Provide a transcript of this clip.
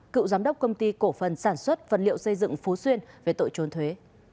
cựu giám đốc công ty cổ phần sản xuất vật liệu xây dựng phú xuyên về tội trốn thuế